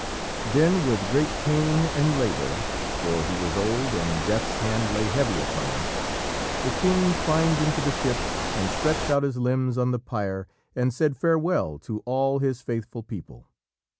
Then with very great pain and labour, for he was old and Death's hand lay heavy upon him, the king climbed into the ship and stretched out his limbs on the pyre, and said farewell to all his faithful people.